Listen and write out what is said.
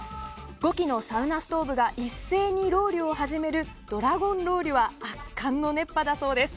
５基のサウナストーブが一斉にロウリュを始めるドラゴンロウリュは圧巻の熱波だそうです。